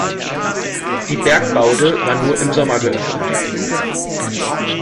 Die Bergbaude war nur im Sommer geöffnet.